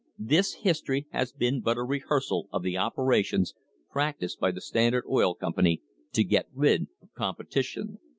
This history has been but a rehearsal of the operations practised by the Standard Oil Company to get rid of competition.